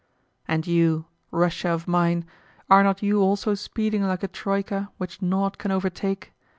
And you, Russia of mine are not you also speeding like a troika which nought can overtake?